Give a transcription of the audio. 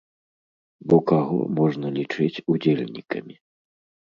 Бо каго можна лічыць удзельнікамі?